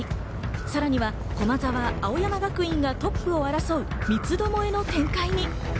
さらには駒澤、青山学院がトップを争う三つどもえの展開に。